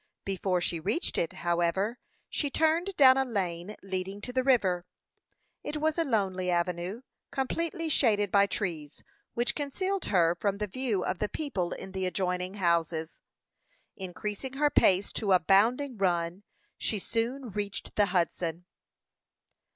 Before she reached it, however, she turned down a lane leading to the river. It was a lonely avenue, completely shaded by trees, which concealed her from the view of the people in the adjoining houses. Increasing her pace to a bounding run, she soon reached the Hudson.